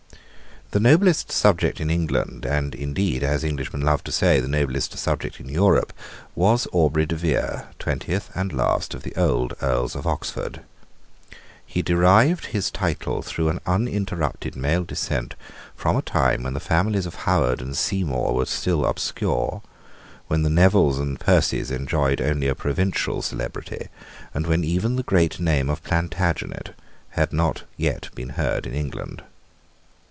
The noblest subject in England, and indeed, as Englishmen loved to say, the noblest subject in Europe, was Aubrey de Vere, twentieth and last of the old Earls of Oxford. He derived his title through an uninterrupted male descent from a time when the families of Howard and Seymour were still obscure, when the Nevilles and Percies enjoyed only a provincial celebrity, and when even the great name of Plantagenet had not yet been heard in England.